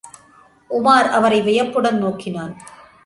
உமார் அவரை வியப்புடன் நோக்கினான்.